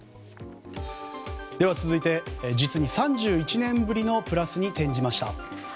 続いて、実に３１年ぶりのプラスに転じました。